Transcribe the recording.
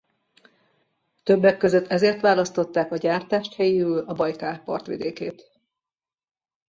Többek között ezért választották a gyártás helyéül a Bajkál partvidékét.